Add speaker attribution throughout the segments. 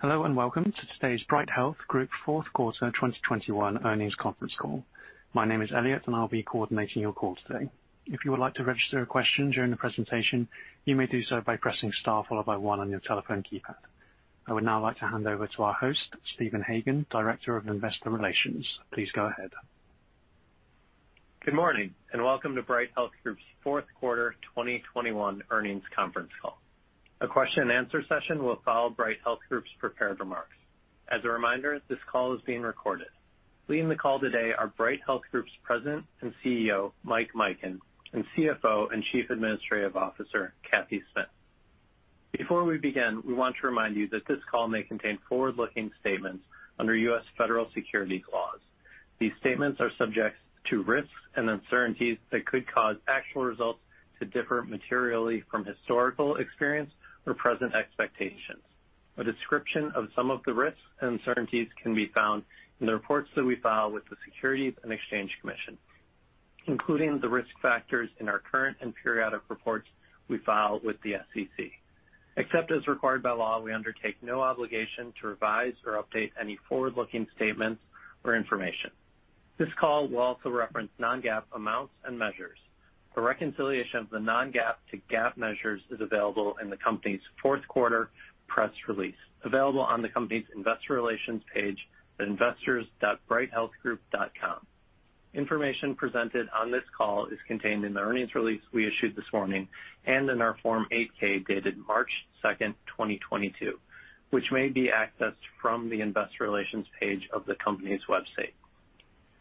Speaker 1: Hello, and welcome to today's Bright Health Group Fourth Quarter 2021 Earnings Conference Call. My name is Elliot, and I'll be coordinating your call today. If you would like to register a question during the presentation, you may do so by pressing star followed by one on your telephone keypad. I would now like to hand over to our host, Stephen Hagan, Director of Investor Relations. Please go ahead.
Speaker 2: Good morning, and welcome to Bright Health Group's Q4 2021 earnings conference call. A question-and-answer session will follow Bright Health Group's prepared remarks. As a reminder, this call is being recorded. Leading the call today are Bright Health Group's President and CEO, Mike Mikan, and CFO and Chief Administrative Officer, Cathy Smith. Before we begin, we want to remind you that this call may contain forward-looking statements under U.S. federal securities laws. These statements are subject to risks and uncertainties that could cause actual results to differ materially from historical experience or present expectations. A description of some of the risks and uncertainties can be found in the reports that we file with the Securities and Exchange Commission, including the risk factors in our current and periodic reports we file with the SEC. Except as required by law, we undertake no obligation to revise or update any forward-looking statements or information. This call will also reference non-GAAP amounts and measures. A reconciliation of the non-GAAP to GAAP measures is available in the company's fourth quarter press release, available on the company's investor relations page at investors.brighthealthgroup.com. Information presented on this call is contained in the earnings release we issued this morning and in our Form 8-K dated March 2, 2022, which may be accessed from the investor relations page of the company's website.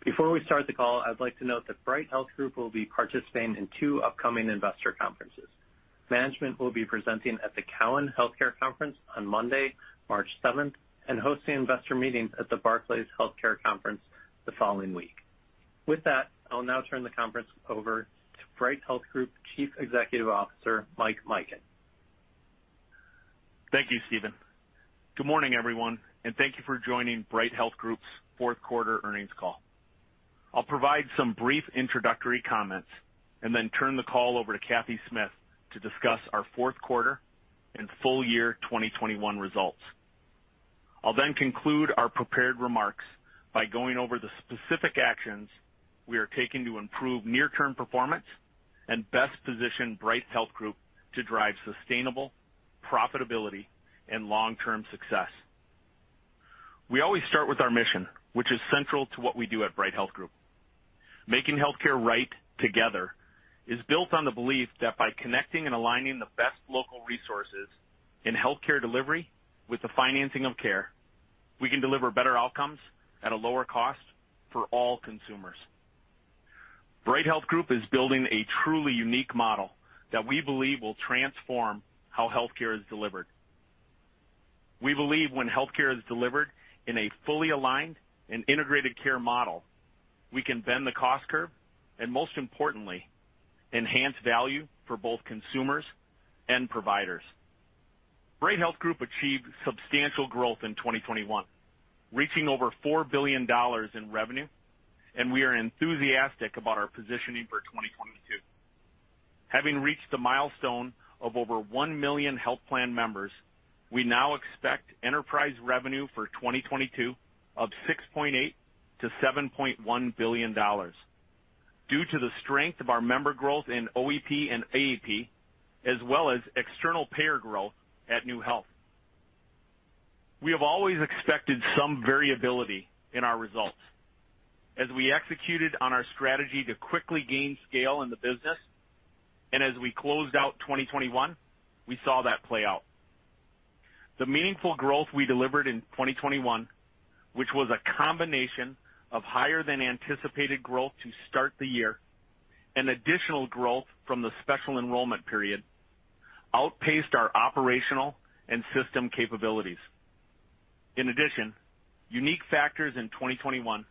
Speaker 2: Before we start the call, I'd like to note that Bright Health Group will be participating in two upcoming investor conferences. Management will be presenting at the Cowen Healthcare Conference on Monday, March 7, and hosting investor meetings at the Barclays Healthcare Conference the following week. With that, I'll now turn the conference over to Bright Health Group Chief Executive Officer, Mike Mikan.
Speaker 3: Thank you, Stephen. Good morning, everyone, and thank you for joining Bright Health Group's fourth quarter earnings call. I'll provide some brief introductory comments and then turn the call over to Cathy Smith to discuss our fourth quarter and full-year 2021 results. I'll then conclude our prepared remarks by going over the specific actions we are taking to improve near-term performance and best position Bright Health Group to drive sustainable profitability and long-term success. We always start with our mission, which is central to what we do at Bright Health Group. Making healthcare right together is built on the belief that by connecting and aligning the best local resources in healthcare delivery with the financing of care, we can deliver better outcomes at a lower cost for all consumers. Bright Health Group is building a truly unique model that we believe will transform how healthcare is delivered. We believe when healthcare is delivered in a fully aligned and integrated care model, we can bend the cost curve and most importantly, enhance value for both consumers and providers. Bright Health Group achieved substantial growth in 2021, reaching over $4 billion in revenue, and we are enthusiastic about our positioning for 2022. Having reached the milestone of over 1 million health plan members, we now expect enterprise revenue for 2022 of $6.8-7.1 billion due to the strength of our member growth in OEP and AEP, as well as external payer growth at NeueHealth. We have always expected some variability in our results. As we executed on our strategy to quickly gain scale in the business, and as we closed out 2021, we saw that play out. The meaningful growth we delivered in 2021, which was a combination of higher than anticipated growth to start the year and additional growth from the special enrollment period, outpaced our operational and system capabilities. In addition, unique factors in 2021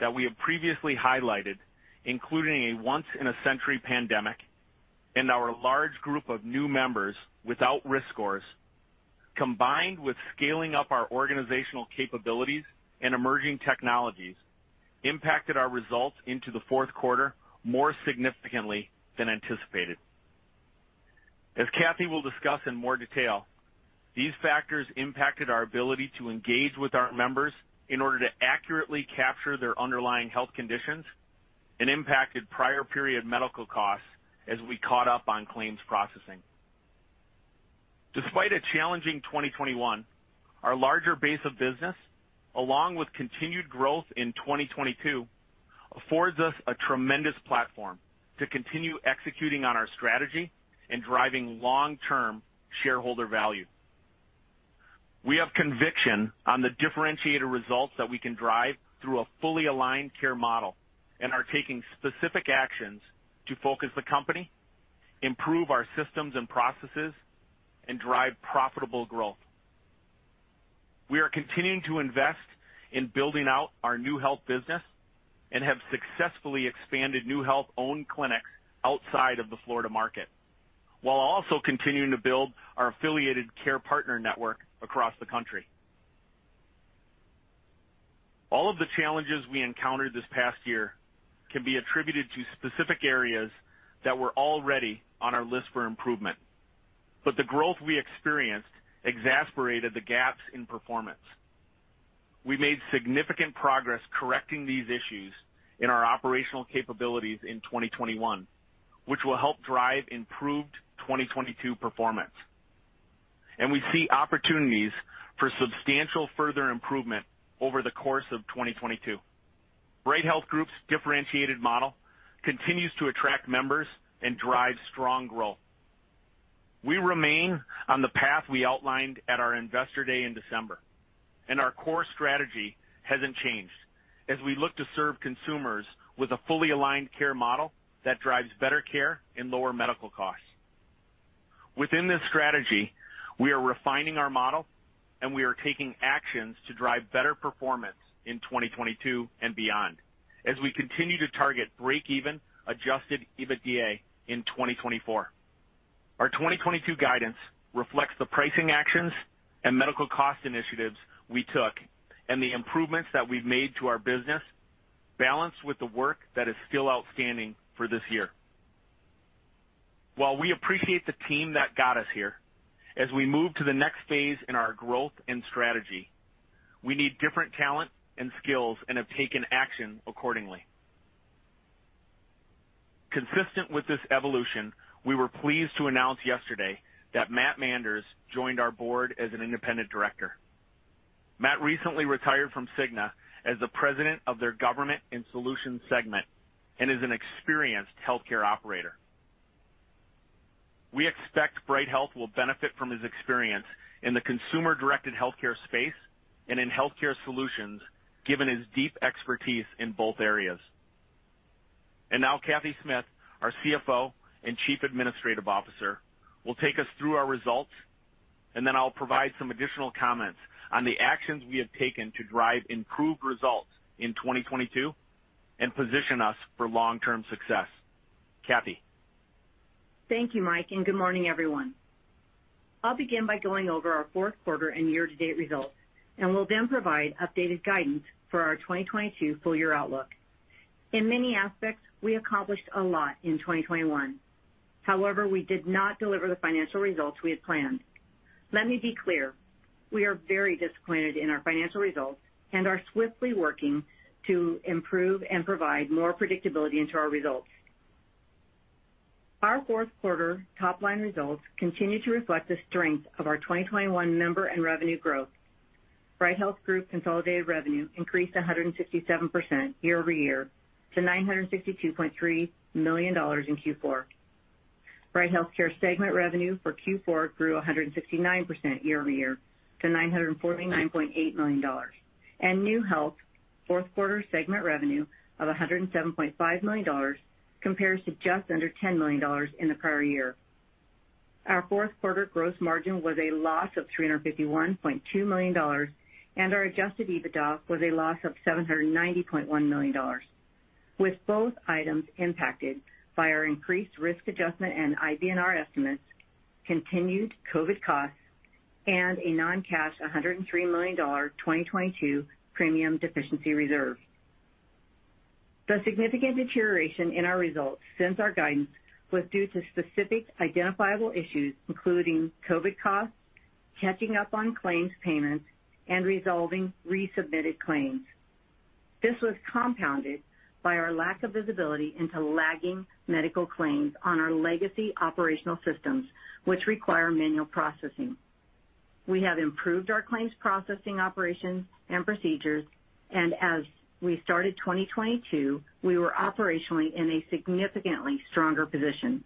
Speaker 3: that we have previously highlighted, including a once in a century pandemic and our large group of new members without risk scores, combined with scaling up our organizational capabilities and emerging technologies, impacted our results into the fourth quarter more significantly than anticipated. As Cathy will discuss in more detail, these factors impacted our ability to engage with our members in order to accurately capture their underlying health conditions and impacted prior period medical costs as we caught up on claims processing. Despite a challenging 2021, our larger base of business, along with continued growth in 2022, affords us a tremendous platform to continue executing on our strategy and driving long-term shareholder value. We have conviction on the differentiated results that we can drive through a fully aligned care model and are taking specific actions to focus the company, improve our systems and processes, and drive profitable growth. We are continuing to invest in building out our NeueHealth business and have successfully expanded NeueHealth-owned clinics outside of the Florida market, while also continuing to build our affiliated care partner network across the country. All of the challenges we encountered this past year can be attributed to specific areas that were already on our list for improvement, but the growth we experienced exacerbated the gaps in performance. We made significant progress correcting these issues in our operational capabilities in 2021, which will help drive improved 2022 performance. We see opportunities for substantial further improvement over the course of 2022. Bright Health Group's differentiated model continues to attract members and drive strong growth. We remain on the path we outlined at our investor day in December, and our core strategy hasn't changed as we look to serve consumers with a fully aligned care model that drives better care and lower medical costs. Within this strategy, we are refining our model and we are taking actions to drive better performance in 2022 and beyond as we continue to target break-even adjusted EBITDA in 2024. Our 2022 guidance reflects the pricing actions and medical cost initiatives we took and the improvements that we've made to our business, balanced with the work that is still outstanding for this year. While we appreciate the team that got us here, as we move to the next phase in our growth and strategy, we need different talent and skills and have taken action accordingly. Consistent with this evolution, we were pleased to announce yesterday that Matthew Manders joined our board as an independent director. Matt recently retired from Cigna as the President of their government and solutions segment and is an experienced healthcare operator. We expect Bright Health will benefit from his experience in the consumer-directed healthcare space and in healthcare solutions, given his deep expertise in both areas. Now Catherine Smith, our Chief Financial and Administrative Officer, will take us through our results, and then I'll provide some additional comments on the actions we have taken to drive improved results in 2022 and position us for long-term success. Cathy?
Speaker 4: Thank you, Mike, and good morning, everyone. I'll begin by going over our fourth quarter and year-to-date results, and will then provide updated guidance for our 2022 full-year outlook. In many aspects, we accomplished a lot in 2021. However, we did not deliver the financial results we had planned. Let me be clear, we are very disappointed in our financial results and are swiftly working to improve and provide more predictability into our results. Our fourth quarter top-line results continue to reflect the strength of our 2021 member and revenue growth. Bright Health Group consolidated revenue increased 167% year-over-year to $962.3 million in Q4. Bright HealthCare segment revenue for Q4 grew 169% year-over-year to $949.8 million. NeueHealth fourth quarter segment revenue of $107.5 million compares to just under $10 million in the prior year. Our fourth quarter gross margin was a loss of $351.2 million, and our adjusted EBITDA was a loss of $790.1 million, with both items impacted by our increased risk adjustment and IBNR estimates, continued COVID costs, and a non-cash $103 million 2022 premium deficiency reserve. The significant deterioration in our results since our guidance was due to specific identifiable issues, including COVID costs, catching up on claims payments, and resolving resubmitted claims. This was compounded by our lack of visibility into lagging medical claims on our legacy operational systems, which require manual processing. We have improved our claims processing operations and procedures, and as we started 2022, we were operationally in a significantly stronger position.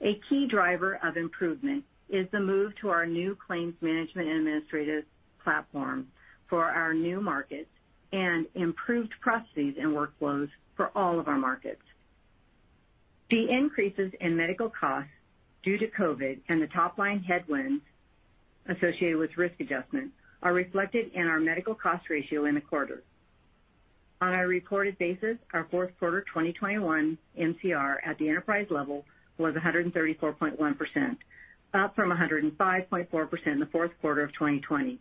Speaker 4: A key driver of improvement is the move to our new claims management and administrative platform for our new markets and improved processes and workflows for all of our markets. The increases in medical costs due to COVID and the top-line headwinds associated with risk adjustment are reflected in our medical cost ratio in the quarter. On a reported basis, our fourth quarter 2021 MCR at the enterprise level was 134.1%, up from 105.4% in the fourth quarter of 2020.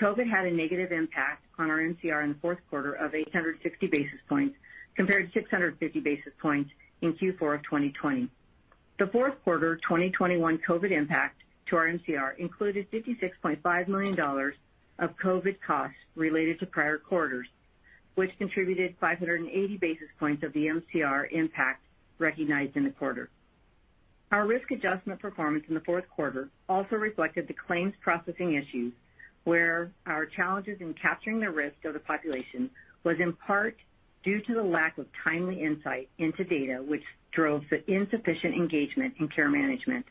Speaker 4: COVID had a negative impact on our MCR in the fourth quarter of 860 basis points, compared to 650 basis points in Q4 of 2020. The fourth quarter 2021 COVID impact to our MCR included $56.5 million of COVID costs related to prior quarters, which contributed 580 basis points of the MCR impact recognized in the quarter. Our risk adjustment performance in the fourth quarter also reflected the claims processing issues, where our challenges in capturing the risk of the population was in part due to the lack of timely insight into data which drove the insufficient engagement in care management.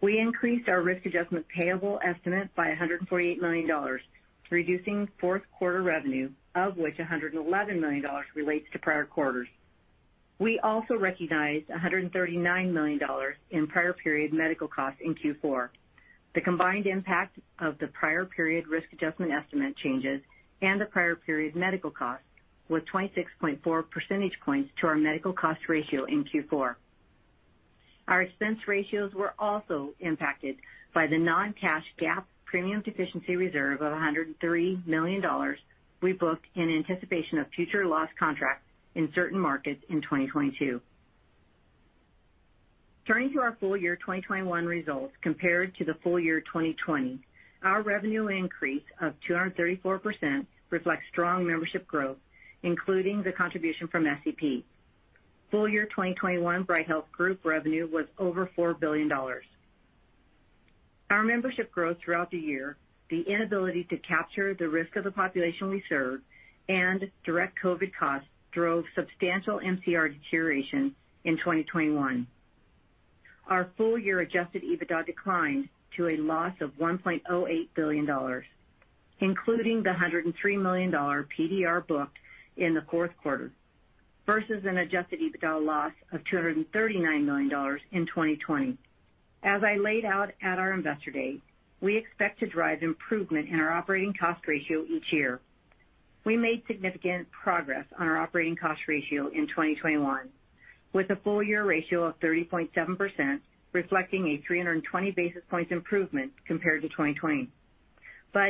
Speaker 4: We increased our risk adjustment payable estimate by $148 million, reducing fourth quarter revenue, of which $111 million relates to prior quarters. We also recognized $139 million in prior period medical costs in Q4. The combined impact of the prior period risk adjustment estimate changes and the prior period medical costs was 26.4 percentage points to our medical cost ratio in Q4. Our expense ratios were also impacted by the non-cash GAAP premium deficiency reserve of $103 million we booked in anticipation of future loss contracts in certain markets in 2022. Turning to our full-year 2021 results compared to the full-year 2020, our revenue increase of 234% reflects strong membership growth, including the contribution from SEP. Full-year 2021 Bright Health Group revenue was over $4 billion. Our membership growth throughout the year, the inability to capture the risk of the population we serve, and direct COVID costs drove substantial MCR deterioration in 2021. Our full-year adjusted EBITDA declined to a loss of $1.08 billion, including the $103 million PDR booked in the fourth quarter, versus an adjusted EBITDA loss of $239 million in 2020. As I laid out at our Investor Day, we expect to drive improvement in our operating cost ratio each year. We made significant progress on our operating cost ratio in 2021, with a full-year ratio of 30.7%, reflecting a 320 basis points improvement compared to 2020.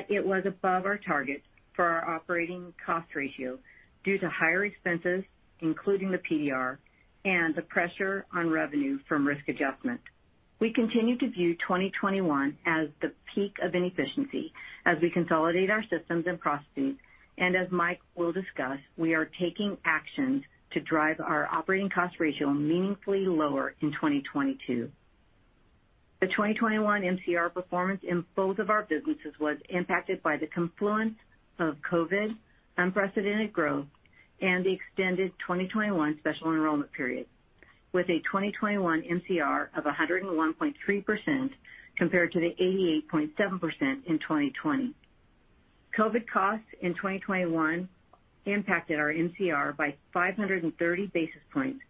Speaker 4: It was above our target for our operating cost ratio due to higher expenses, including the PDR, and the pressure on revenue from risk adjustment. We continue to view 2021 as the peak of inefficiency as we consolidate our systems and processes, and as Mike will discuss, we are taking actions to drive our operating cost ratio meaningfully lower in 2022. The 2021 MCR performance in both of our businesses was impacted by the confluence of COVID, unprecedented growth, and the extended 2021 special enrollment period, with a 2021 MCR of 101.3% compared to the 88.7% in 2020. COVID costs in 2021 impacted our MCR by 530 basis points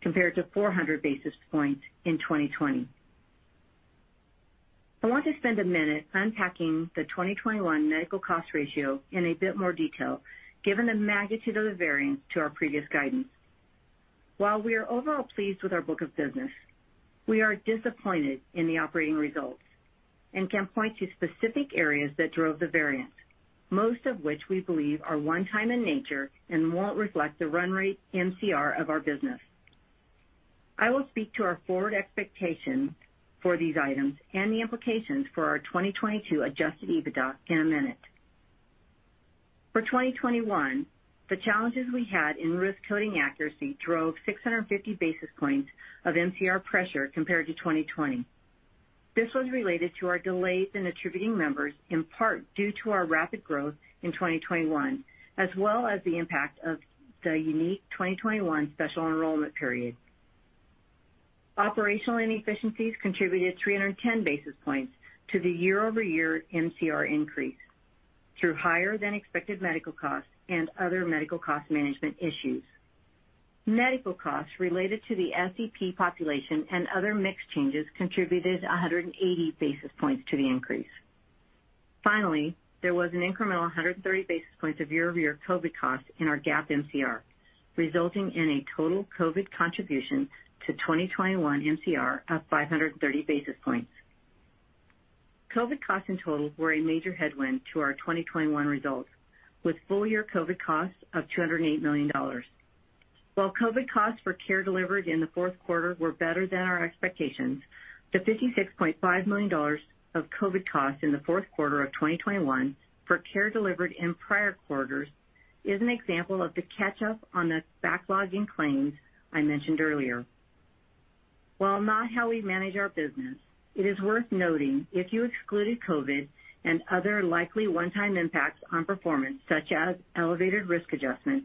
Speaker 4: compared to 400 basis points in 2020. I want to spend a minute unpacking the 2021 medical cost ratio in a bit more detail, given the magnitude of the variance to our previous guidance. While we are overall pleased with our book of business, we are disappointed in the operating results and can point to specific areas that drove the variance, most of which we believe are one-time in nature and won't reflect the run rate MCR of our business. I will speak to our forward expectations for these items and the implications for our 2022 adjusted EBITDA in a minute. For 2021, the challenges we had in risk coding accuracy drove 650 basis points of MCR pressure compared to 2020. This was related to our delays in attributing members, in part due to our rapid growth in 2021, as well as the impact of the unique 2021 special enrollment period. Operational inefficiencies contributed 310 basis points to the year-over-year MCR increase through higher than expected medical costs and other medical cost management issues. Medical costs related to the SEP population and other mix changes contributed 180 basis points to the increase. Finally, there was an incremental 130 basis points of year-over-year COVID costs in our GAAP MCR, resulting in a total COVID contribution to 2021 MCR of 530 basis points. COVID costs in total were a major headwind to our 2021 results, with full year COVID costs of $208 million. While COVID costs for care delivered in the fourth quarter were better than our expectations, the $56.5 million of COVID costs in the fourth quarter of 2021 for care delivered in prior quarters is an example of the catch-up on the backlogging claims I mentioned earlier. While not how we manage our business, it is worth noting if you excluded COVID and other likely one-time impacts on performance, such as elevated risk adjustment,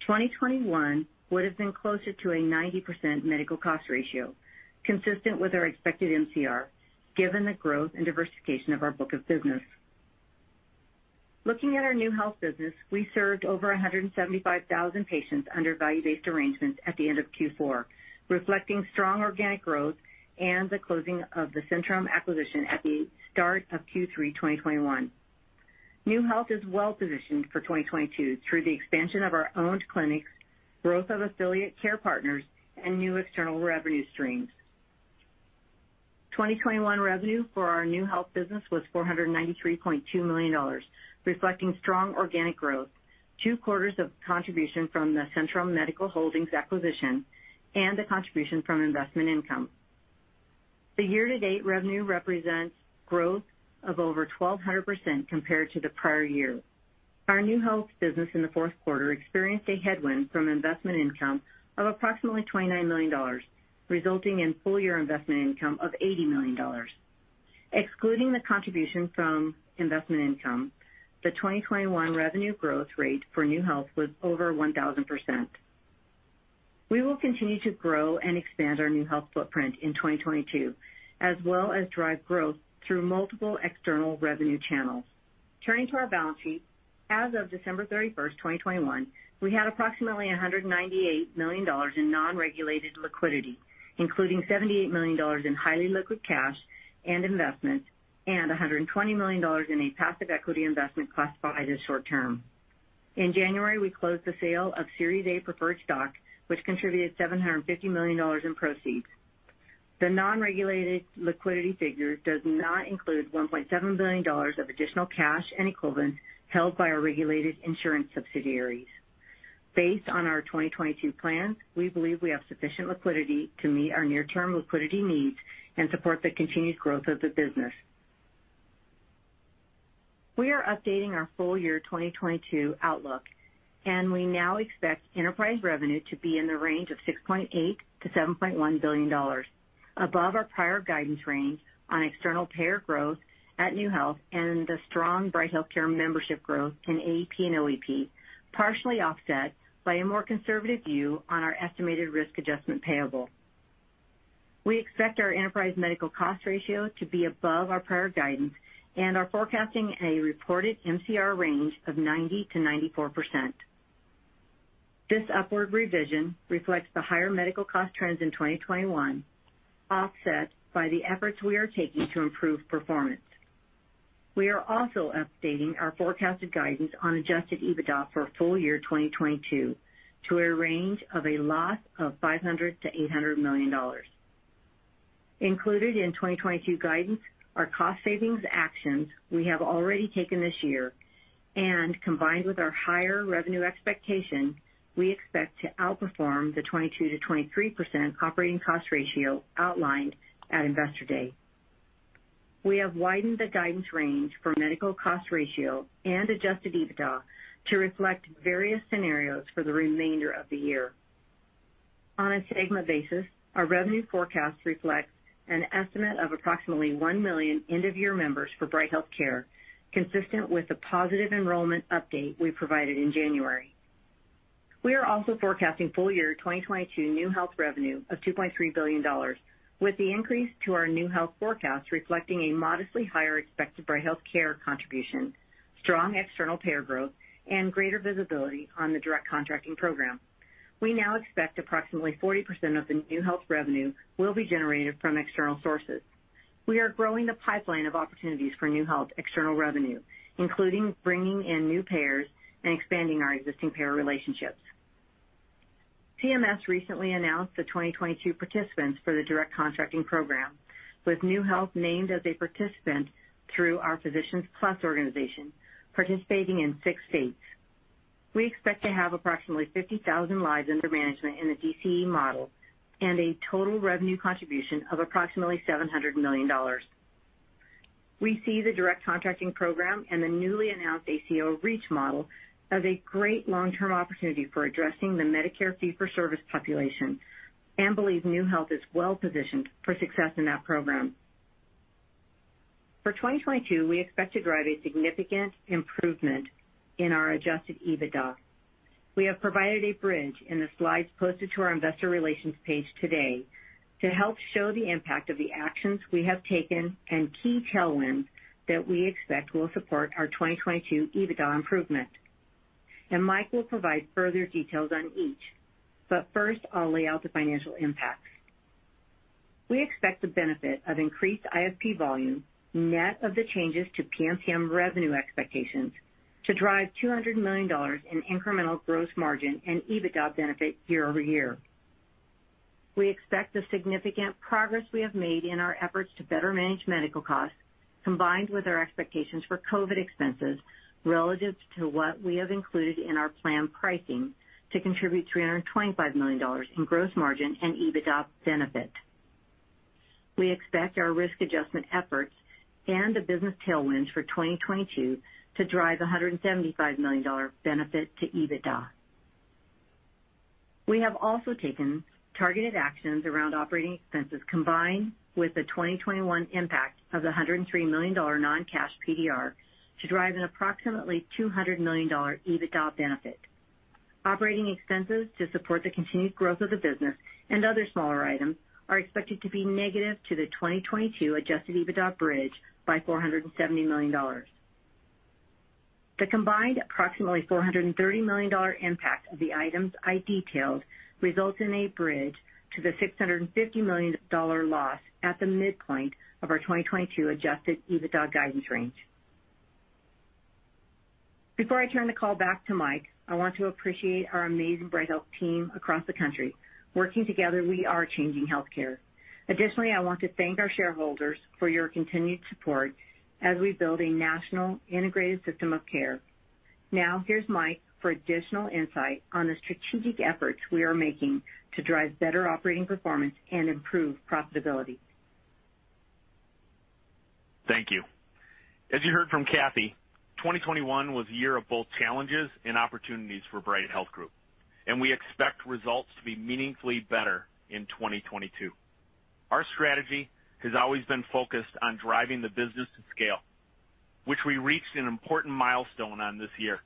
Speaker 4: 2021 would have been closer to a 90% medical cost ratio, consistent with our expected MCR, given the growth and diversification of our book of business. Looking at our NeueHealth business, we served over 175,000 patients under value-based arrangements at the end of Q4, reflecting strong organic growth and the closing of the Centrum acquisition at the start of Q3 2021. NeueHealth is well positioned for 2022 through the expansion of our owned clinics, growth of affiliate care partners, and new external revenue streams. 2021 revenue for our NeueHealth business was $493.2 million, reflecting strong organic growth, two quarters of contribution from the Centrum Medical Holdings acquisition, and the contribution from investment income. The year-to-date revenue represents growth of over 1,200% compared to the prior year. Our NeueHealth business in the fourth quarter experienced a headwind from investment income of approximately $29 million, resulting in full-year investment income of $80 million. Excluding the contribution from investment income, the 2021 revenue growth rate for NeueHealth was over 1,000%. We will continue to grow and expand our NeueHealth footprint in 2022, as well as drive growth through multiple external revenue channels. Turning to our balance sheet, as of December 31, 2021, we had approximately $198 million in non-regulated liquidity, including $78 million in highly liquid cash and investments and $120 million in a passive equity investment classified as short term. In January, we closed the sale of Series A preferred stock, which contributed $750 million in proceeds. The non-regulated liquidity figure does not include $1.7 billion of additional cash and equivalents held by our regulated insurance subsidiaries. Based on our 2022 plans, we believe we have sufficient liquidity to meet our near-term liquidity needs and support the continued growth of the business. We are updating our full-year 2022 outlook, and we now expect enterprise revenue to be in the range of $6.8-7.1 billion, above our prior guidance range on external payer growth at NeueHealth and the strong Bright HealthCare membership growth in AEP and OEP, partially offset by a more conservative view on our estimated risk adjustment payable. We expect our enterprise medical cost ratio to be above our prior guidance and are forecasting a reported MCR range of 90%-94%. This upward revision reflects the higher medical cost trends in 2021, offset by the efforts we are taking to improve performance. We are also updating our forecasted guidance on adjusted EBITDA for full-year 2022 to a range of a loss of $500-800 million. Included in 2022 guidance are cost savings actions we have already taken this year, and combined with our higher revenue expectation, we expect to outperform the 22%-23% operating cost ratio outlined at Investor Day. We have widened the guidance range for medical cost ratio and adjusted EBITDA to reflect various scenarios for the remainder of the year. On a segment basis, our revenue forecast reflects an estimate of approximately 1 million end-of-year members for Bright HealthCare, consistent with the positive enrollment update we provided in January. We are also forecasting full-year 2022 NeueHealth revenue of $2.3 billion, with the increase to our NeueHealth forecast reflecting a modestly higher expected Bright HealthCare contribution, strong external payer growth, and greater visibility on the Direct Contracting program. We now expect approximately 40% of the NeueHealth revenue will be generated from external sources. We are growing the pipeline of opportunities for NeueHealth external revenue, including bringing in new payers and expanding our existing payer relationships. CMS recently announced the 2022 participants for the Direct Contracting program, with NeueHealth named as a participant through our Physicians Plus organization, participating in six states. We expect to have approximately 50,000 lives under management in the DC model and a total revenue contribution of approximately $700 million. We see the Direct Contracting program and the newly announced ACO REACH model as a great long-term opportunity for addressing the Medicare fee-for-service population and believe NeueHealth is well-positioned for success in that program. For 2022, we expect to drive a significant improvement in our adjusted EBITDA. We have provided a bridge in the slides posted to our investor relations page today to help show the impact of the actions we have taken and key tailwinds that we expect will support our 2022 EBITDA improvement. Mike will provide further details on each. First, I'll lay out the financial impacts. We expect the benefit of increased IFP volume, net of the changes to PNM revenue expectations, to drive $200 million in incremental gross margin and EBITDA benefit year-over-year. We expect the significant progress we have made in our efforts to better manage medical costs, combined with our expectations for COVID expenses relative to what we have included in our plan pricing, to contribute $325 million in gross margin and EBITDA benefit. We expect our risk adjustment efforts and the business tailwinds for 2022 to drive a $175 million benefit to EBITDA. We have also taken targeted actions around operating expenses combined with the 2021 impact of the $103 million non-cash PDR to drive an approximately $200 million EBITDA benefit. Operating expenses to support the continued growth of the business and other smaller items are expected to be negative to the 2022 adjusted EBITDA bridge by $470 million. The combined approximately $430 million impact of the items I detailed results in a bridge to the $650 million loss at the midpoint of our 2022 adjusted EBITDA guidance range. Before I turn the call back to Mike, I want to appreciate our amazing Bright Health team across the country. Working together, we are changing healthcare. Additionally, I want to thank our shareholders for your continued support as we build a national integrated system of care. Now, here's Mike for additional insight on the strategic efforts we are making to drive better operating performance and improve profitability.
Speaker 3: Thank you. As you heard from Cathy, 2021 was a year of both challenges and opportunities for Bright Health Group, and we expect results to be meaningfully better in 2022. Our strategy has always been focused on driving the business to scale, which we reached an important milestone on this year.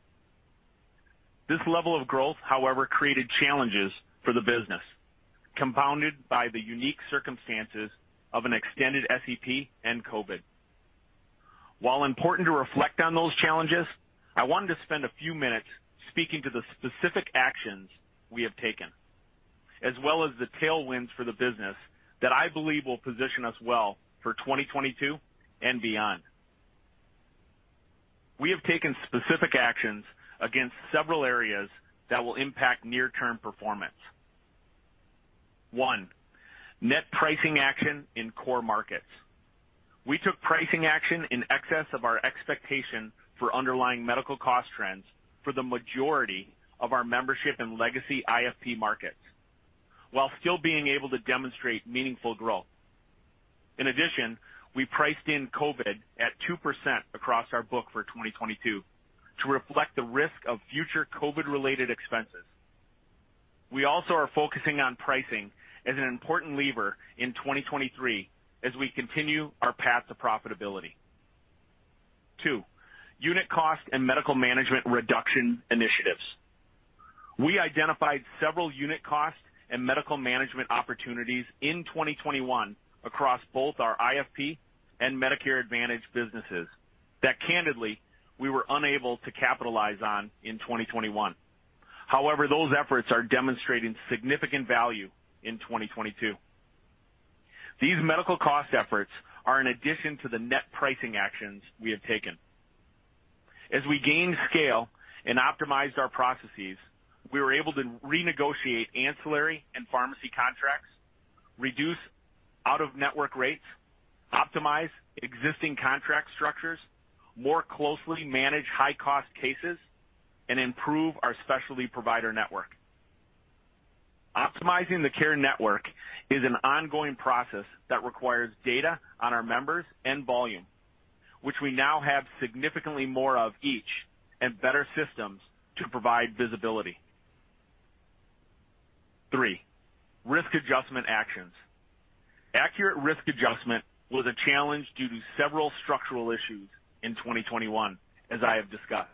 Speaker 3: This level of growth, however, created challenges for the business, compounded by the unique circumstances of an extended SEP and COVID. While important to reflect on those challenges, I wanted to spend a few minutes speaking to the specific actions we have taken. As well as the tailwinds for the business that I believe will position us well for 2022 and beyond. We have taken specific actions against several areas that will impact near-term performance. One, net pricing action in core markets. We took pricing action in excess of our expectation for underlying medical cost trends for the majority of our membership in legacy IFP markets, while still being able to demonstrate meaningful growth. In addition, we priced in COVID at 2% across our book for 2022 to reflect the risk of future COVID-related expenses. We also are focusing on pricing as an important lever in 2023 as we continue our path to profitability. Two, unit cost and medical management reduction initiatives. We identified several unit cost and medical management opportunities in 2021 across both our IFP and Medicare Advantage businesses that candidly, we were unable to capitalize on in 2021. However, those efforts are demonstrating significant value in 2022. These medical cost efforts are in addition to the net pricing actions we have taken. As we gained scale and optimized our processes, we were able to renegotiate ancillary and pharmacy contracts, reduce out-of-network rates, optimize existing contract structures, more closely manage high-cost cases, and improve our specialty provider network. Optimizing the care network is an ongoing process that requires data on our members and volume, which we now have significantly more of each, and better systems to provide visibility. Three, risk adjustment actions. Accurate risk adjustment was a challenge due to several structural issues in 2021, as I have discussed.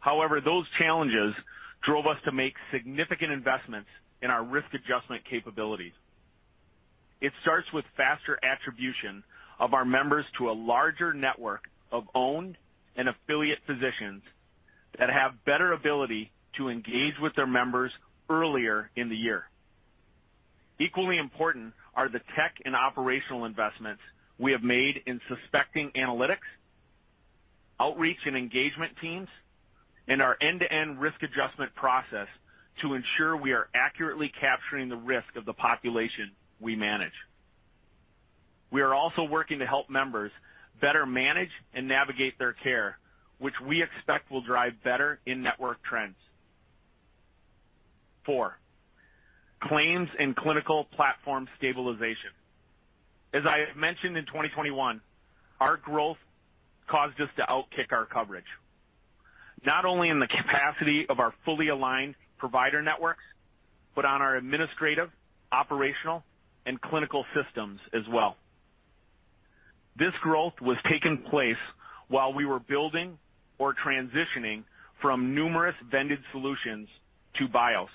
Speaker 3: However, those challenges drove us to make significant investments in our risk adjustment capabilities. It starts with faster attribution of our members to a larger network of owned and affiliate physicians that have better ability to engage with their members earlier in the year. Equally important are the tech and operational investments we have made in suspect analytics, outreach, and engagement teams, and our end-to-end risk adjustment process to ensure we are accurately capturing the risk of the population we manage. We are also working to help members better manage and navigate their care, which we expect will drive better in-network trends. Four, claims and clinical platform stabilization. As I have mentioned in 2021, our growth caused us to outkick our coverage, not only in the capacity of our fully aligned provider networks, but on our administrative, operational, and clinical systems as well. This growth was taking place while we were building or transitioning from numerous vended solutions to BiOS,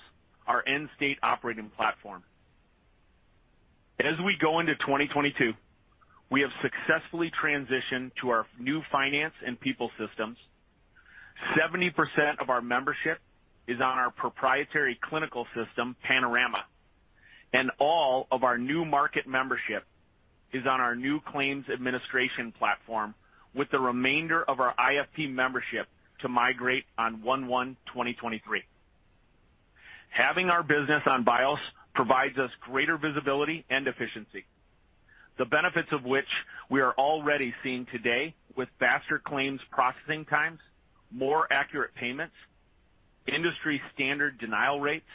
Speaker 3: our end-state operating platform. As we go into 2022, we have successfully transitioned to our new finance and people systems. 70% of our membership is on our proprietary clinical system, Panorama, and all of our new market membership is on our new claims administration platform, with the remainder of our IFP membership to migrate on 1/1/2023. Having our business on BiOS provides us greater visibility and efficiency, the benefits of which we are already seeing today with faster claims processing times, more accurate payments, industry standard denial rates,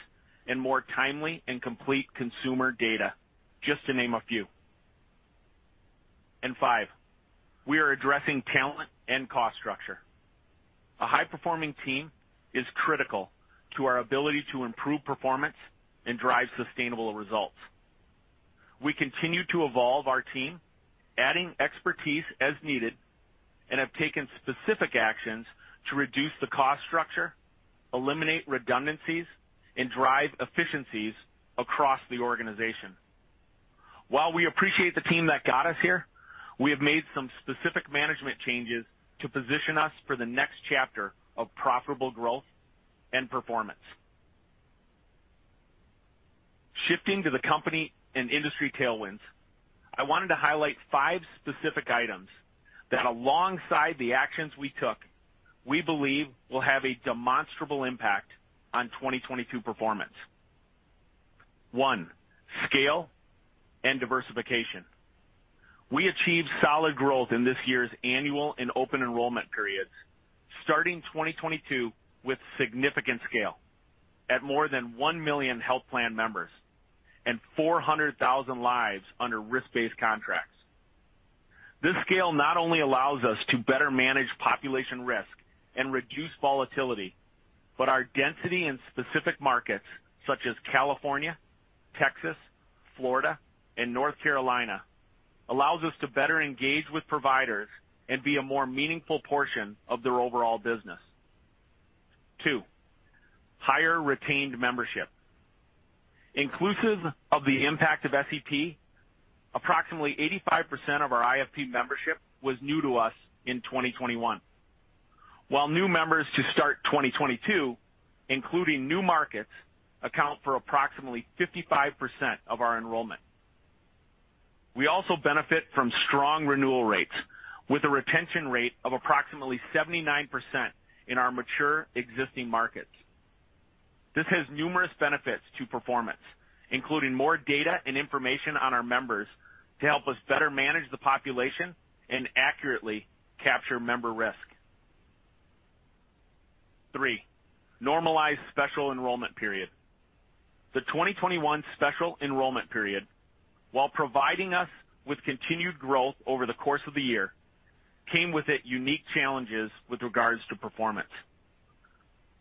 Speaker 3: and more timely and complete consumer data, just to name a few. Five, we are addressing talent and cost structure. A high-performing team is critical to our ability to improve performance and drive sustainable results. We continue to evolve our team, adding expertise as needed, and have taken specific actions to reduce the cost structure, eliminate redundancies, and drive efficiencies across the organization. While we appreciate the team that got us here, we have made some specific management changes to position us for the next chapter of profitable growth and performance. Shifting to the company and industry tailwinds, I wanted to highlight five specific items that alongside the actions we took, we believe will have a demonstrable impact on 2022 performance. One, scale and diversification. We achieved solid growth in this year's annual and open enrollment periods, starting 2022 with significant scale at more than 1 million health plan members and 400,000 lives under risk-based contracts. This scale not only allows us to better manage population risk and reduce volatility, but our density in specific markets such as California, Texas, Florida, and North Carolina allows us to better engage with providers and be a more meaningful portion of their overall business. Two, higher retained membership. Inclusive of the impact of SEP, approximately 85% of our IFP membership was new to us in 2021. While new members to start 2022, including new markets, account for approximately 55% of our enrollment. We also benefit from strong renewal rates with a retention rate of approximately 79% in our mature existing markets. This has numerous benefits to performance, including more data and information on our members to help us better manage the population and accurately capture member risk. Three, normalized Special Enrollment Period. The 2021 Special Enrollment Period, while providing us with continued growth over the course of the year, came with it unique challenges with regards to performance.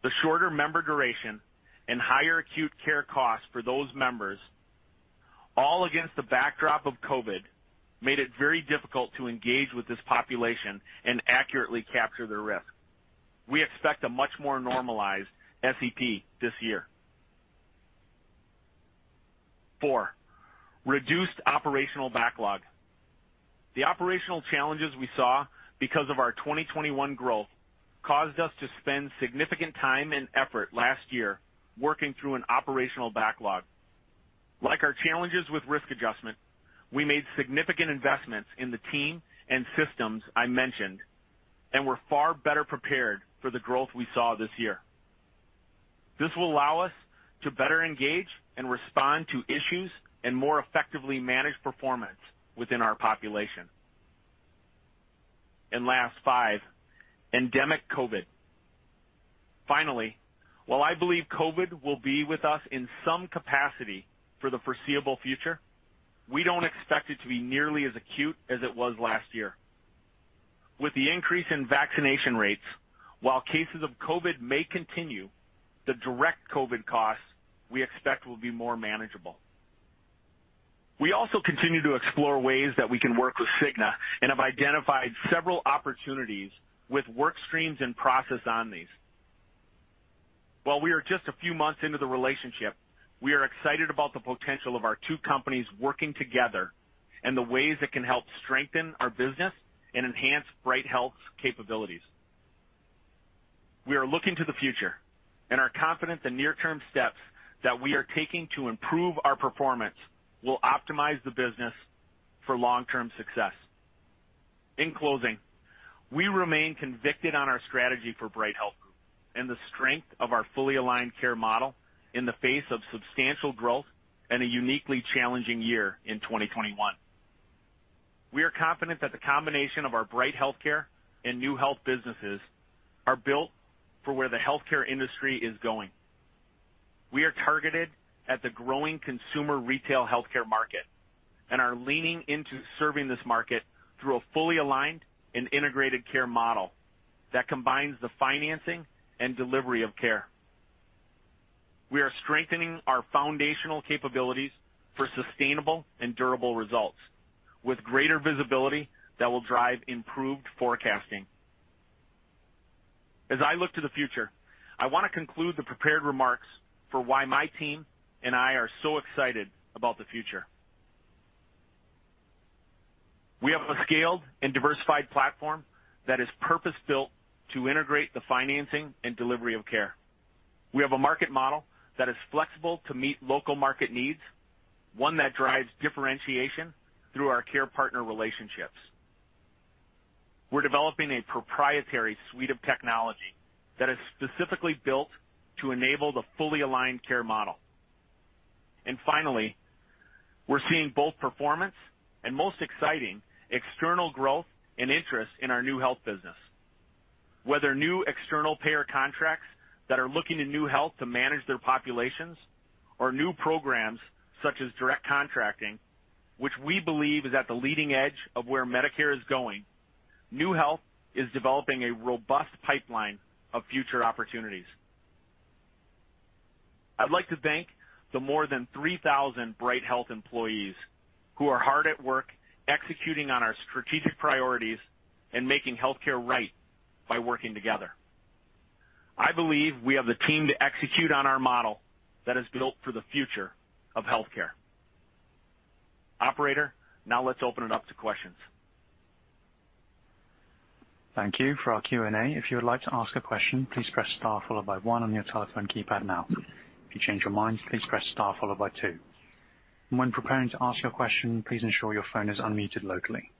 Speaker 3: The shorter member duration and higher acute care costs for those members, all against the backdrop of COVID, made it very difficult to engage with this population and accurately capture their risk. We expect a much more normalized SEP this year. Four, reduced operational backlog. The operational challenges we saw because of our 2021 growth caused us to spend significant time and effort last year working through an operational backlog. Like our challenges with risk adjustment, we made significant investments in the team and systems I mentioned, and we're far better prepared for the growth we saw this year. This will allow us to better engage and respond to issues and more effectively manage performance within our population. Last, five, Endemic COVID. Finally, while I believe COVID will be with us in some capacity for the foreseeable future, we don't expect it to be nearly as acute as it was last year. With the increase in vaccination rates, while cases of COVID may continue, the direct COVID costs we expect will be more manageable. We also continue to explore ways that we can work with Cigna and have identified several opportunities with work streams and process on these. While we are just a few months into the relationship, we are excited about the potential of our two companies working together and the ways it can help strengthen our business and enhance Bright Health's capabilities. We are looking to the future and are confident the near term steps that we are taking to improve our performance will optimize the business for long-term success. In closing, we remain convicted on our strategy for Bright Health Group and the strength of our fully aligned care model in the face of substantial growth and a uniquely challenging year in 2021. We are confident that the combination of our Bright HealthCare and NeueHealth businesses are built for where the healthcare industry is going. We are targeted at the growing consumer retail healthcare market and are leaning into serving this market through a fully aligned and integrated care model that combines the financing and delivery of care. We are strengthening our foundational capabilities for sustainable and durable results with greater visibility that will drive improved forecasting. As I look to the future, I want to conclude the prepared remarks for why my team and I are so excited about the future. We have a scaled and diversified platform that is purpose-built to integrate the financing and delivery of care. We have a market model that is flexible to meet local market needs, one that drives differentiation through our care partner relationships. We're developing a proprietary suite of technology that is specifically built to enable the fully aligned care model. Finally, we're seeing both performance and, most exciting, external growth and interest in our NeueHealth business. Whether new external payer contracts that are looking to NeueHealth to manage their populations or new programs such as Direct Contracting, which we believe is at the leading edge of where Medicare is going, NeueHealth is developing a robust pipeline of future opportunities. I'd like to thank the more than 3,000 Bright Health employees who are hard at work executing on our strategic priorities and making healthcare right by working together. I believe we have the team to execute on our model that is built for the future of healthcare. Operator, now let's open it up to questions.
Speaker 1: Thank you. For our Q&A, if you would like to ask a question, please press star followed by one on your telephone keypad now. If you change your mind, please press star followed by two. When preparing to ask your question, please ensure your phone is unmuted locally.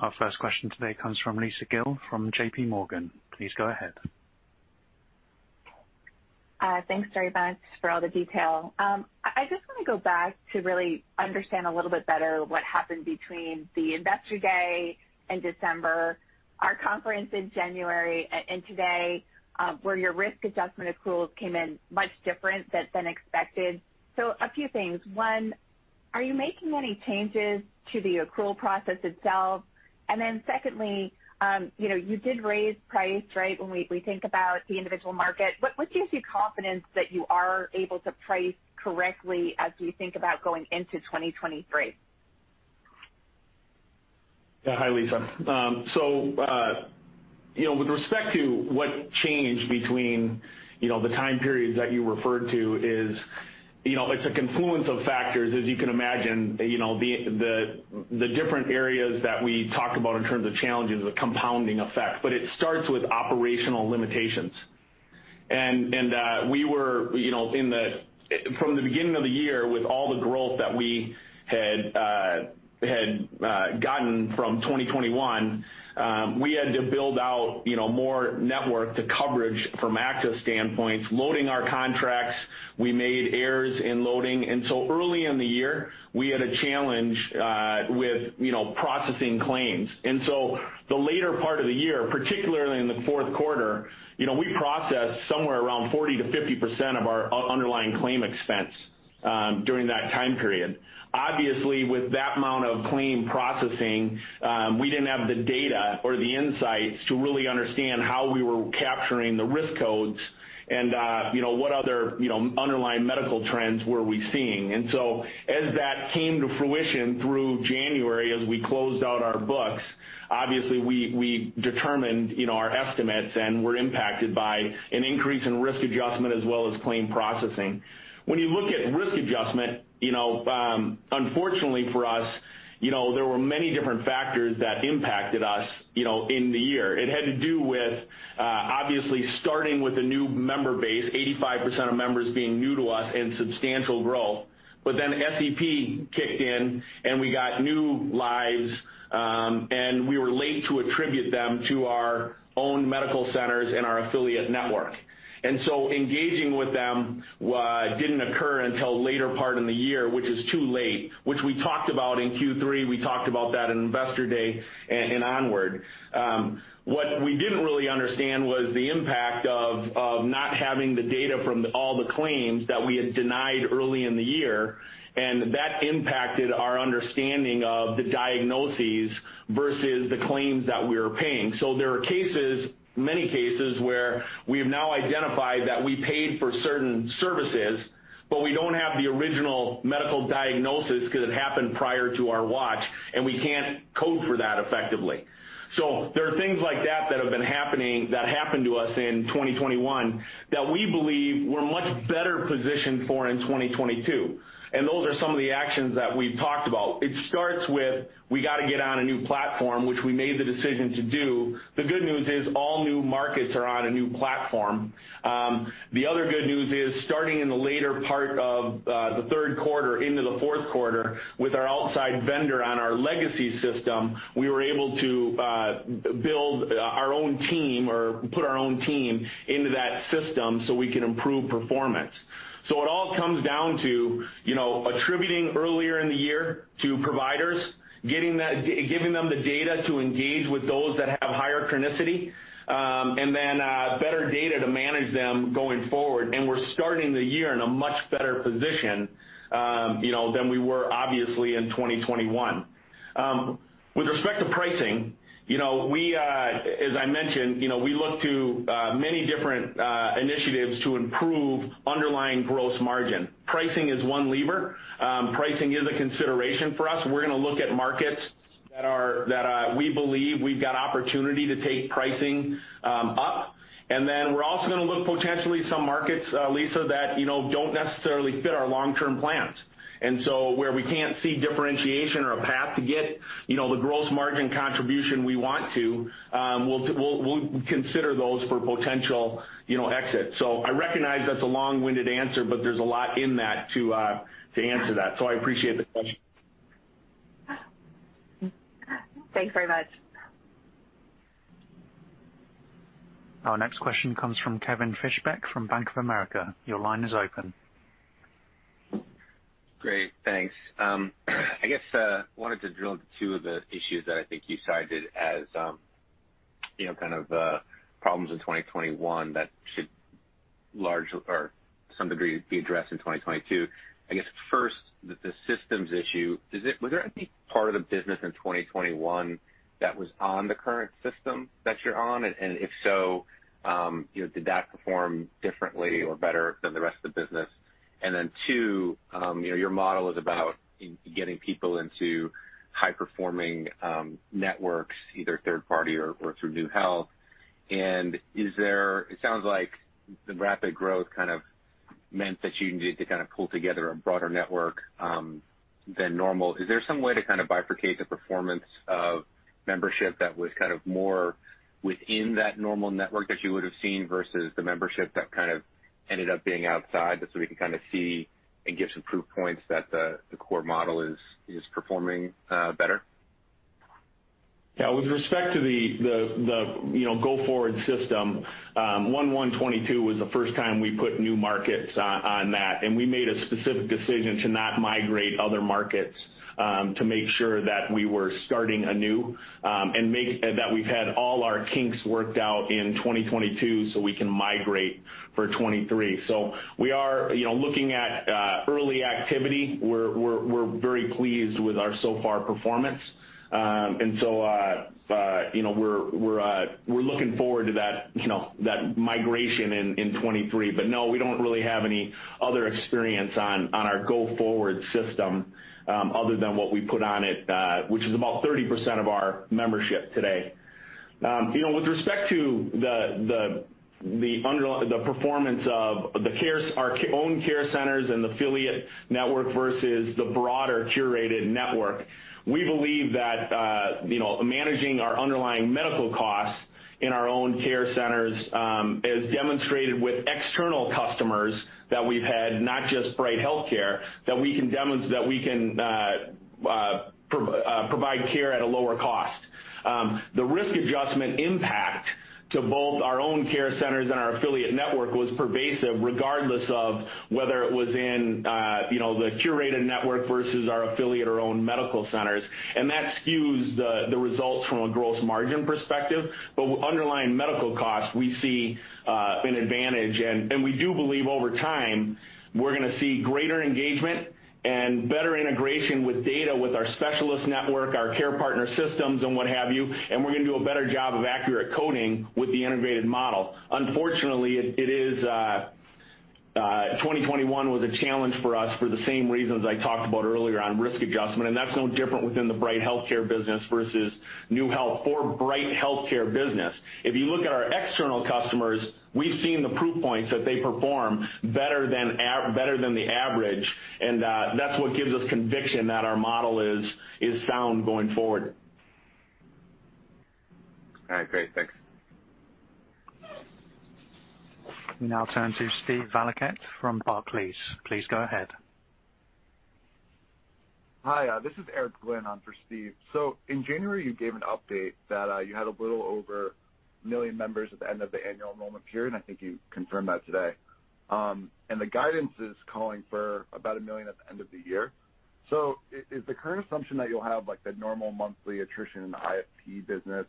Speaker 1: Our first question today comes from Lisa Gill from J.P. Morgan. Please go ahead.
Speaker 5: Thanks very much for all the detail. I just want to go back to really understand a little bit better what happened between the investor day in December, our conference in January, and today, where your risk adjustment accruals came in much different than expected. A few things. One, are you making any changes to the accrual process itself? And then secondly, you know, you did raise price, right, when we think about the individual market. What gives you confidence that you are able to price correctly as we think about going into 2023?
Speaker 3: Yeah. Hi, Lisa. So, you know, with respect to what changed between, you know, the time periods that you referred to is, you know, it's a confluence of factors, as you can imagine. You know, the different areas that we talked about in terms of challenges, the compounding effect. It starts with operational limitations. We were, you know, from the beginning of the year, with all the growth that we had gotten from 2021, we had to build out, you know, more network to coverage from access standpoints, loading our contracts. We made errors in loading. Early in the year, we had a challenge with, you know, processing claims. The later part of the year, particularly in the fourth quarter, you know, we processed somewhere around 40%-50% of our underlying claim expense during that time period. Obviously, with that amount of claim processing, we didn't have the data or the insights to really understand how we were capturing the risk codes and, you know, what other underlying medical trends were we seeing. As that came to fruition through January as we closed out our books, obviously we determined, you know, our estimates and were impacted by an increase in risk adjustment as well as claim processing. When you look at risk adjustment, you know, unfortunately for us, you know, there were many different factors that impacted us, you know, in the year. It had to do with obviously starting with a new member base, 85% of members being new to us and substantial growth. SEP kicked in, and we got new lives, and we were late to attribute them to our own medical centers and our affiliate network. Engaging with them didn't occur until later part in the year, which is too late, which we talked about in Q3. We talked about that in Investor Day and onward. What we didn't really understand was the impact of not having the data from all the claims that we had denied early in the year, and that impacted our understanding of the diagnoses versus the claims that we were paying. There are cases, many cases, where we have now identified that we paid for certain services, but we don't have the original medical diagnosis because it happened prior to our watch, and we can't code for that effectively. There are things like that that have been happening, that happened to us in 2021 that we believe we're much better positioned for in 2022. Those are some of the actions that we've talked about. It starts with we got to get on a new platform, which we made the decision to do. The good news is all new markets are on a new platform. The other good news is, starting in the later part of the third quarter into the fourth quarter, with our outside vendor on our legacy system, we were able to build our own team or put our own team into that system so we can improve performance. It all comes down to, you know, attributing earlier in the year to providers, getting that giving them the data to engage with those that have higher chronicity, and then better data to manage them going forward. We're starting the year in a much better position, you know, than we were obviously in 2021. With respect to pricing, you know, we, as I mentioned, you know, we look to many different initiatives to improve underlying gross margin. Pricing is one lever. Pricing is a consideration for us. We're gonna look at markets that we believe we've got opportunity to take pricing up. Then we're also gonna look potentially at some markets, Lisa, that, you know, don't necessarily fit our long-term plans. Where we can't see differentiation or a path to get, you know, the gross margin contribution we want to, we'll consider those for potential, you know, exit. I recognize that's a long-winded answer, but there's a lot in that to answer that. I appreciate the question.
Speaker 5: Thanks very much.
Speaker 1: Our next question comes from Kevin Fischbeck from Bank of America. Your line is open.
Speaker 6: Great. Thanks. I guess wanted to drill into two of the issues that I think you cited as, you know, kind of, problems in 2021 that should largely or some degree be addressed in 2022. I guess first, the systems issue. Was there any part of the business in 2021 that was on the current system that you're on? And if so, you know, did that perform differently or better than the rest of the business? And then two, you know, your model is about getting people into high-performing networks, either third party or through NeueHealth. And is there—it sounds like the rapid growth kind of meant that you needed to kind of pull together a broader network than normal. Is there some way to kind of bifurcate the performance of membership that was kind of more within that normal network that you would have seen versus the membership that kind of ended up being outside, just so we can kind of see and give some proof points that the core model is performing better?
Speaker 3: Yeah. With respect to the, you know, go-forward system, 1/1/2022 was the first time we put new markets on that, and we made a specific decision to not migrate other markets to make sure that we were starting anew and that we've had all our kinks worked out in 2022, so we can migrate for 2023. We are, you know, looking at early activity. We're very pleased with our so-far performance. You know, we're looking forward to that, you know, that migration in 2023. But no, we don't really have any other experience on our go-forward system other than what we put on it, which is about 30% of our membership today. You know, with respect to the performance of our own care centers and affiliate network versus the broader curated network. We believe that, you know, managing our underlying medical costs in our own care centers, is demonstrated with external customers that we've had, not just Bright HealthCare, that we can provide care at a lower cost. The risk adjustment impact to both our own care centers and our affiliate network was pervasive regardless of whether it was in the curated network versus our affiliate or own medical centers. That skews the results from a gross margin perspective. With underlying medical costs, we see an advantage. We do believe over time, we're gonna see greater engagement and better integration with data with our specialist network, our care partner systems and what have you, and we're gonna do a better job of accurate coding with the integrated model. Unfortunately, 2021 was a challenge for us for the same reasons I talked about earlier on risk adjustment, and that's no different within the Bright HealthCare business versus NeueHealth for Bright HealthCare business. If you look at our external customers, we've seen the proof points that they perform better than the average, and that's what gives us conviction that our model is sound going forward.
Speaker 6: All right, great. Thanks.
Speaker 1: We now turn to Stephen Valiquette from Barclays. Please go ahead.
Speaker 7: Hi, this is Eric Glynn on for Steve. In January, you gave an update that you had a little over 1 million members at the end of the annual enrollment period. I think you confirmed that today. The guidance is calling for about 1 million at the end of the year. Is the current assumption that you'll have like the normal monthly attrition in the IFP business,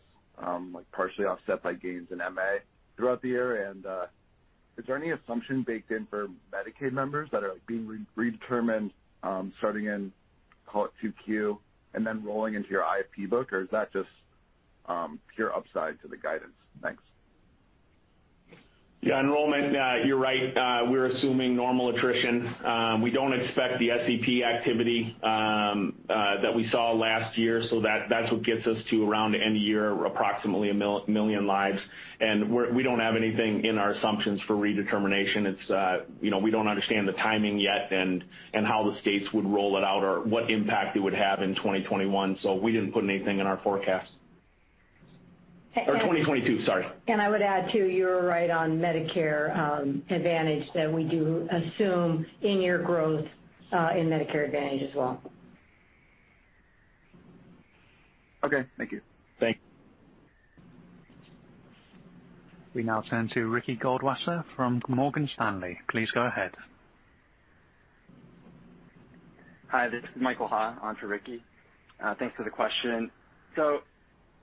Speaker 7: like partially offset by gains in MA throughout the year? Is there any assumption baked in for Medicaid members that are being redetermined, starting in 2Q, and then rolling into your IFP book? Or is that just pure upside to the guidance? Thanks.
Speaker 3: Yeah. Enrollment, you're right. We're assuming normal attrition. We don't expect the SEP activity that we saw last year, so that's what gets us to around end of year, approximately a million lives. We don't have anything in our assumptions for redetermination. It's, you know, we don't understand the timing yet and how the states would roll it out or what impact it would have in 2021. We didn't put anything in our forecast. 2022, sorry.
Speaker 4: I would add, too, you're right on Medicare Advantage, that we do assume in year growth in Medicare Advantage as well.
Speaker 7: Okay. Thank you. Thanks.
Speaker 1: We now turn to Ricky Goldwasser from Morgan Stanley. Please go ahead.
Speaker 8: Hi, this is Michael Ha on for Ricky. Thanks for the question.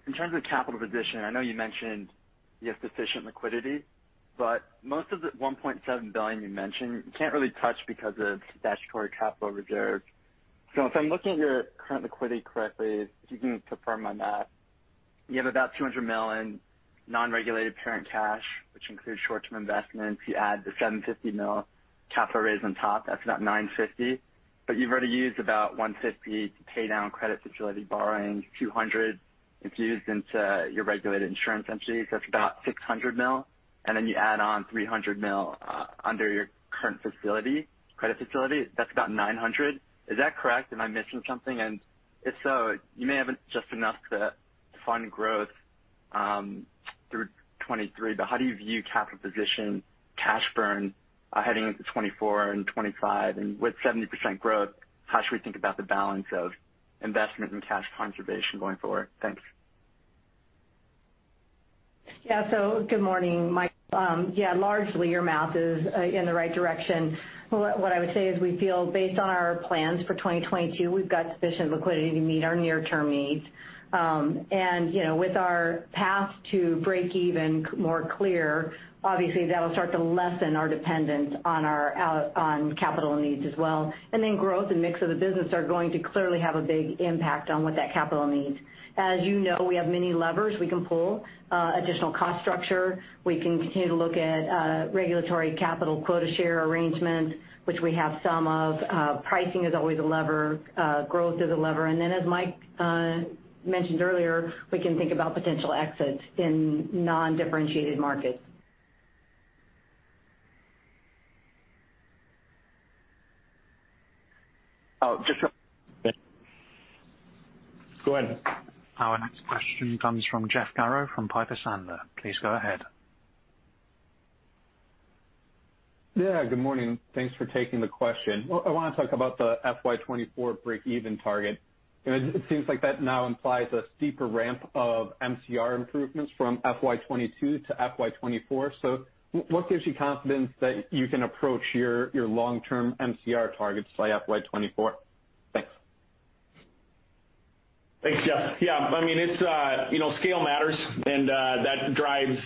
Speaker 8: In terms of capital position, I know you mentioned you have sufficient liquidity, but most of the $1.7 billion you mentioned, you can't really touch because of statutory capital reserves. If I'm looking at your current liquidity correctly, if you can confirm on that, you have about $200 million in non-regulated parent cash, which includes short-term investments. You add the $750 million capital raise on top, that's about $950 million. You've already used about $150 million to pay down credit facility borrowing, $200 million is used into your regulated insurance entities. That's about $600 million. Then you add on $300 million under your current credit facility, that's about $900 million. Is that correct? Am I missing something? If so, you may have just enough to fund growth through 2023, but how do you view capital position cash burn heading into 2024 and 2025? With 70% growth, how should we think about the balance of investment and cash conservation going forward? Thanks.
Speaker 4: Yeah. Good morning, Mike. Largely your math is in the right direction. What I would say is we feel based on our plans for 2022, we've got sufficient liquidity to meet our near-term needs. You know, with our path to break even more clear, obviously that will start to lessen our dependence on capital needs as well. Growth and mix of the business are going to clearly have a big impact on what that capital means. As you know, we have many levers we can pull, additional cost structure. We can continue to look at regulatory capital quota share arrangements, which we have some of. Pricing is always a lever, growth is a lever. As Mike mentioned earlier, we can think about potential exits in non-differentiated markets. Oh, just a-
Speaker 3: Go ahead.
Speaker 1: Our next question comes from Jeff Garro from Piper Sandler. Please go ahead.
Speaker 9: Yeah, good morning. Thanks for taking the question. Well, I wanna talk about the FY 2024 break-even target. It seems like that now implies a steeper ramp of MCR improvements from FY 2022 to FY 2024. What gives you confidence that you can approach your long-term MCR targets by FY 2024? Thanks.
Speaker 3: Thanks, Jeff. Yeah, I mean, it's you know, scale matters, and that drives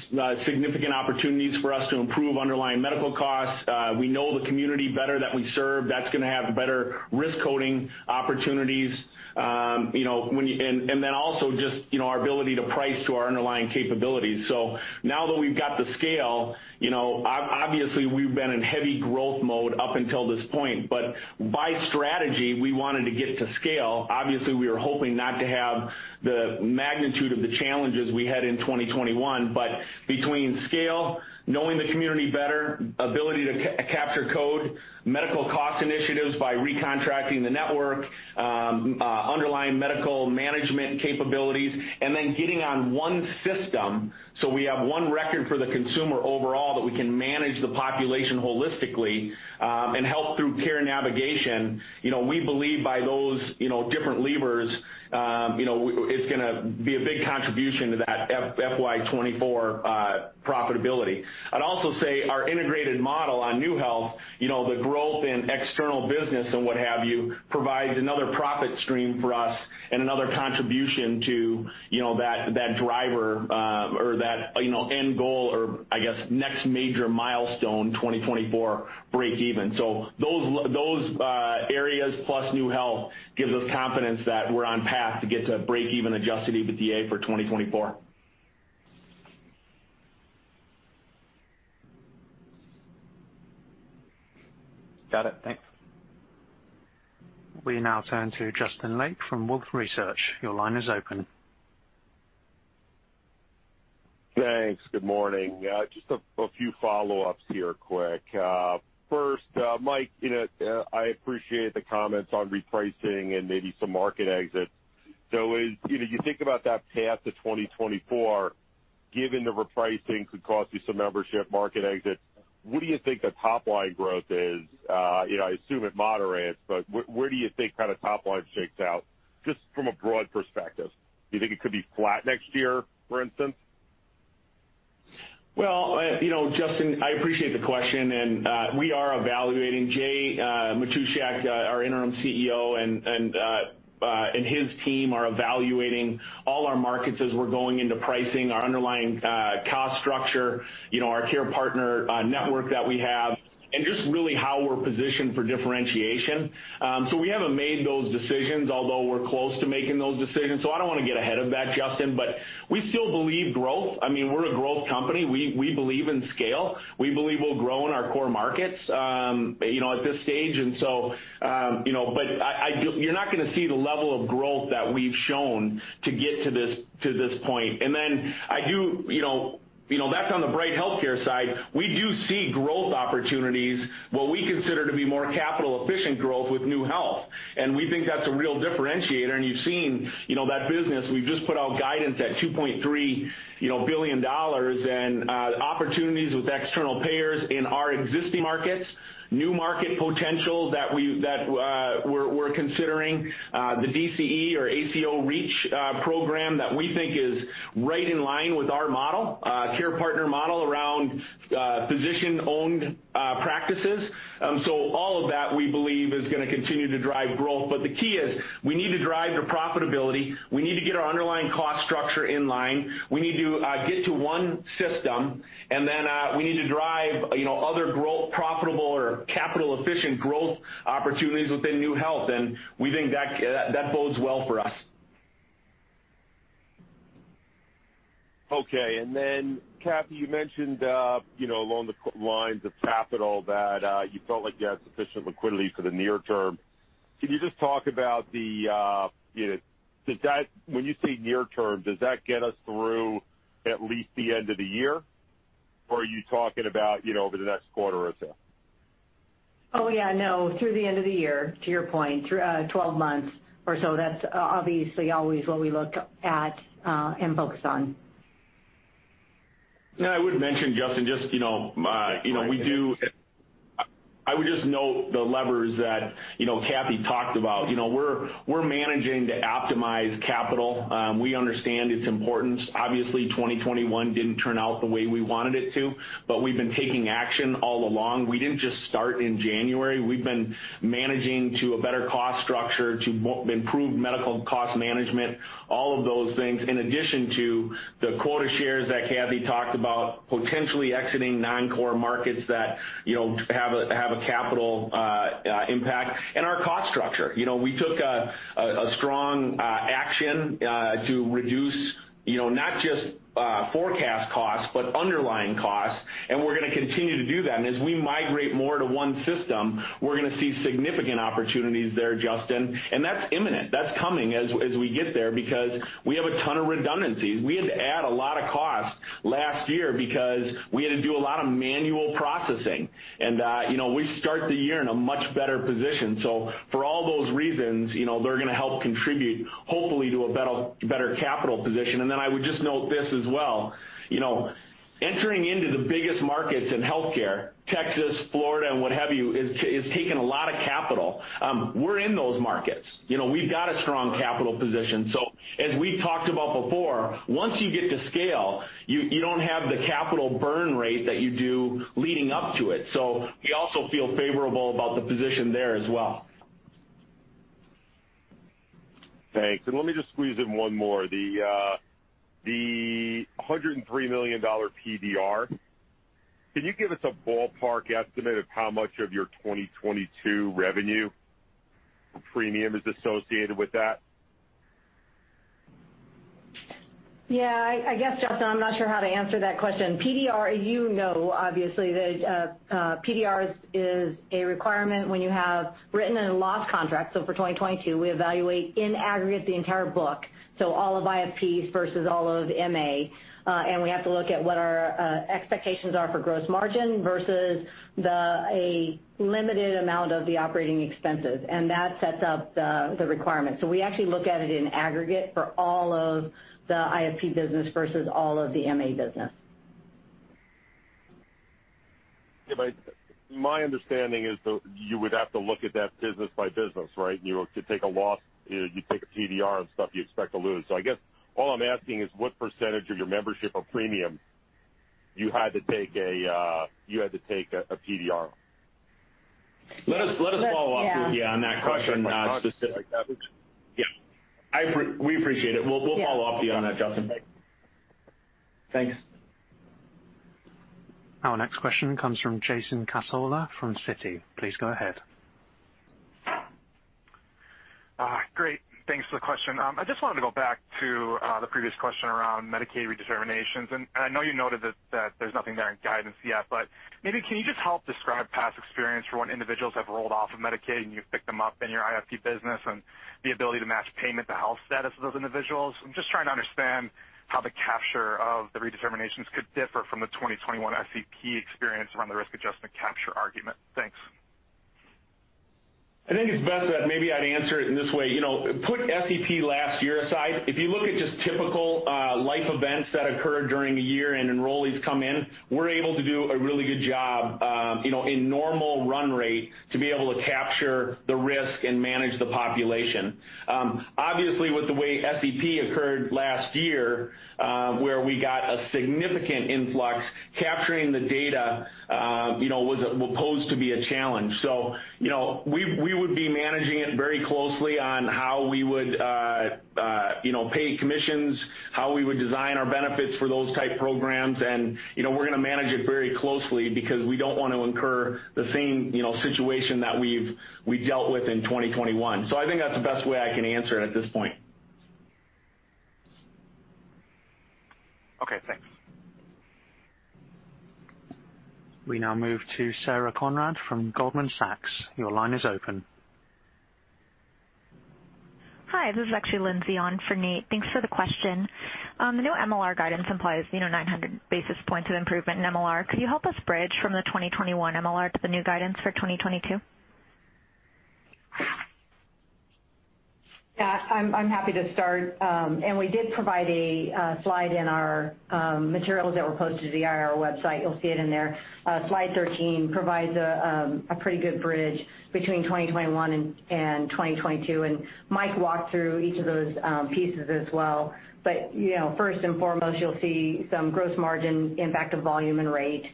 Speaker 3: significant opportunities for us to improve underlying medical costs. We know the community better that we serve. That's gonna have better risk coding opportunities, and then also just you know, our ability to price to our underlying capabilities. So now that we've got the scale, you know, obviously, we've been in heavy growth mode up until this point, but by strategy, we wanted to get to scale. Obviously, we were hoping not to have the magnitude of the challenges we had in 2021. Between scale, knowing the community better, ability to capture code, medical cost initiatives by recontracting the network, underlying medical management capabilities, and then getting on one system so we have one record for the consumer overall that we can manage the population holistically, and help through care navigation. You know, we believe by those, you know, different levers, you know, it's gonna be a big contribution to that FY 2024 profitability. I'd also say our integrated model on NeueHealth, you know, the growth in external business and what have you, provides another profit stream for us and another contribution to, you know, that driver, or that, you know, end goal, or I guess next major milestone, 2024 breakeven. Those areas plus NeueHealth gives us confidence that we're on path to get to breakeven adjusted EBITDA for 2024.
Speaker 9: Got it. Thanks.
Speaker 1: We now turn to Justin Lake from Wolfe Research. Your line is open.
Speaker 10: Thanks. Good morning. Just a few follow-ups here quick. First, Mike, you know, I appreciate the comments on repricing and maybe some market exits. So as you know, you think about that path to 2024, given the repricing could cost you some membership market exits, what do you think the top line growth is? You know, I assume it moderates, but where do you think kind of top line shakes out just from a broad perspective? Do you think it could be flat next year, for instance?
Speaker 3: Well, you know, Justin, I appreciate the question, and we are evaluating. Jay Matushak, our interim CEO, and his team are evaluating all our markets as we're going into pricing, our underlying cost structure, you know, our care partner network that we have, and just really how we're positioned for differentiation. We haven't made those decisions, although we're close to making those decisions, so I don't wanna get ahead of that, Justin. We still believe growth. I mean, we're a growth company. We believe in scale. We believe we'll grow in our core markets, you know, at this stage. You know, but you're not gonna see the level of growth that we've shown to get to this point. Then I do, you know, that's on the Bright HealthCare side. We do see growth opportunities, what we consider to be more capital efficient growth with NeueHealth, and we think that's a real differentiator. You've seen, you know, that business. We've just put out guidance at $2.3 billion and opportunities with external payers in our existing markets, new market potential that we're considering the DCE or ACO REACH program that we think is right in line with our model, care partner model around physician-owned practices. All of that we believe is gonna continue to drive growth. The key is we need to drive to profitability. We need to get our underlying cost structure in line. We need to get to one system, and then we need to drive, you know, other growth profitable or capital efficient growth opportunities within NeueHealth, and we think that bodes well for us.
Speaker 10: Okay. Then, Cathy, you mentioned, you know, along the lines of capital that you felt like you had sufficient liquidity for the near term. Can you just talk about the, you know, When you say near term, does that get us through at least the end of the year? Or are you talking about, you know, over the next quarter or so?
Speaker 4: Oh, yeah, no, through the end of the year, to your point, twelve months or so. That's obviously always what we look at, and focus on.
Speaker 3: I would just note the levers that, you know, Cathy talked about. You know, we're managing to optimize capital. We understand its importance. Obviously, 2021 didn't turn out the way we wanted it to, but we've been taking action all along. We didn't just start in January. We've been managing to a better cost structure to improve medical cost management, all of those things, in addition to the quota shares that Cathy talked about, potentially exiting non-core markets that, you know, have a capital impact, and our cost structure. You know, we took a strong action to reduce, you know, not just forecast costs, but underlying costs, and we're gonna continue to do that. As we migrate more to one system, we're gonna see significant opportunities there, Justin. That's imminent. That's coming as we get there because we have a ton of redundancies. We had to add a lot of costs last year because we had to do a lot of manual processing. You know, we start the year in a much better position. For all those reasons, you know, they're gonna help contribute, hopefully, to a better capital position. Then I would just note this as well. You know, entering into the biggest markets in healthcare, Texas, Florida, and what have you, is taking a lot of capital. We're in those markets. You know, we've got a strong capital position. As we talked about before, once you get to scale, you don't have the capital burn rate that you do leading up to it. We also feel favorable about the position there as well.
Speaker 10: Thanks. Let me just squeeze in one more. The $103 million PDR, can you give us a ballpark estimate of how much of your 2022 revenue premium is associated with that?
Speaker 4: Yeah, I guess, Justin, I'm not sure how to answer that question. PDR, you know, obviously that PDR is a requirement when you have written and lost contracts. For 2022, we evaluate in aggregate the entire book, so all of IFPs versus all of MA, and we have to look at what our expectations are for gross margin versus a limited amount of the operating expenses, and that sets up the requirement. We actually look at it in aggregate for all of the IFP business versus all of the MA business.
Speaker 11: Yeah, my understanding is though you would have to look at that business by business, right? You could take a loss. You take a PDR on stuff you expect to lose. I guess all I'm asking is what percentage of your membership or premium you had to take a PDR.
Speaker 3: Let us follow up with you on that question, specifically.
Speaker 10: Yeah.
Speaker 3: We appreciate it. We'll follow up with you on that, Justin.
Speaker 10: Thanks.
Speaker 1: Our next question comes from Jason Cassorla from Citi. Please go ahead.
Speaker 12: Great. Thanks for the question. I just wanted to go back to the previous question around Medicaid redeterminations. I know you noted that there's nothing there in guidance yet, but maybe can you just help describe past experience for when individuals have rolled off of Medicaid, and you've picked them up in your IFP business and the ability to match payment to health status of those individuals? I'm just trying to understand how the capture of the redeterminations could differ from the 2021 SEP experience around the risk adjustment capture argument. Thanks.
Speaker 3: I think it's best that maybe I'd answer it in this way. You know, put SEP last year aside. If you look at just typical life events that occur during the year and enrollees come in, we're able to do a really good job, you know, in normal run rate to be able to capture the risk and manage the population. Obviously, with the way SEP occurred last year, where we got a significant influx, capturing the data, you know, was posed to be a challenge. You know, we would be managing it very closely on how we would, you know, pay commissions, how we would design our benefits for those type programs, and, you know, we're gonna manage it very closely because we don't want to incur the same, you know, situation that we've dealt with in 2021. I think that's the best way I can answer it at this point.
Speaker 12: Okay, thanks.
Speaker 1: We now move to Sarah James from Goldman Sachs. Your line is open.
Speaker 13: Hi, this is actually Lindsay on for Nate. Thanks for the question. The new MLR guidance implies 900 basis points of improvement in MLR. Could you help us bridge from the 2021 MLR to the new guidance for 2022?
Speaker 4: Yeah. I'm happy to start. We did provide a slide in our materials that were posted to the IR website. You'll see it in there. Slide 13 provides a pretty good bridge between 2021 and 2022, and Mike walked through each of those pieces as well. You know, first and foremost, you'll see some gross margin impact of volume and rate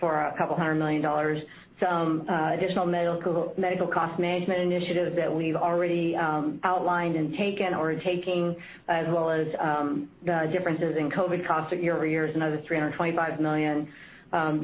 Speaker 4: for a couple hundred million dollars, some additional medical cost management initiatives that we've already outlined and taken or are taking, as well as the differences in COVID costs year-over-year is another $325 million.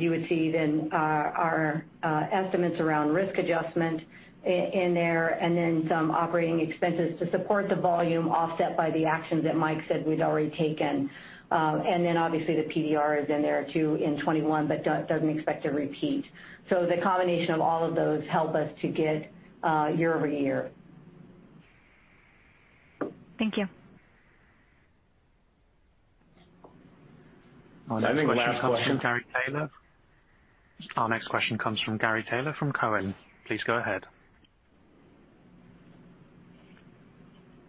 Speaker 4: You would see then our estimates around risk adjustment in there, and then some operating expenses to support the volume offset by the actions that Mike said we'd already taken. Then obviously the PDR is in there too in 2021 but doesn't expect to repeat. The combination of all of those help us to get year-over-year.
Speaker 13: Thank you.
Speaker 3: I think last question.
Speaker 1: Our next question comes from Gary Taylor from Cowen. Please go ahead.